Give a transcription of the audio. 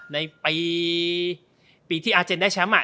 ในปีที่อาเจนได้แชมป์